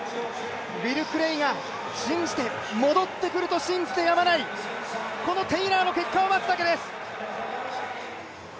ウィル・クレイが信じて、戻ってくると信じてやまない、このテイラーの結果を待つだけです。